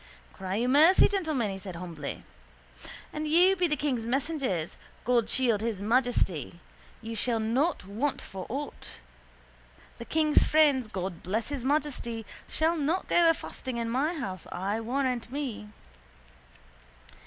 —Cry you mercy, gentlemen, he said humbly. An you be the king's messengers (God shield His Majesty!) you shall not want for aught. The king's friends (God bless His Majesty!) shall not go afasting in my house I warrant me.